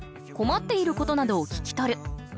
困っていることなどを聞き取る。